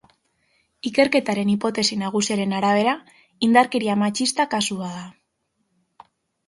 Ikerketaren hipotesi nagusiaren arabera, indarkeria matxista kasu bat da.